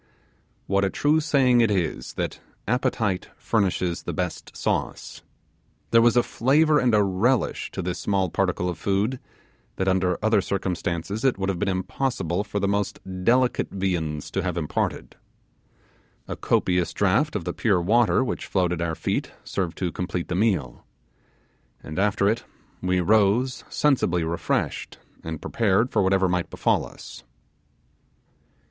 What a true saying it is that 'appetite furnishes the best sauce.' There was a flavour and a relish to this small particle of food that under other circumstances it would have been impossible for the most delicate viands to have imparted. A copious draught of the pure water which flowed at our feet served to complete the meal, and after it we rose sensibly refreshed, and prepared for whatever might befall us.